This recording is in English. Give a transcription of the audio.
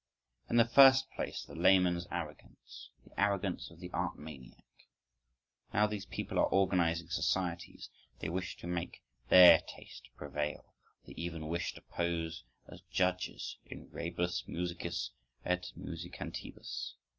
—In the first place the layman's arrogance, the arrogance of the art maniac. Now these people are organising societies, they wish to make their taste prevail, they even wish to pose as judges in rebus musicis et musicantibus.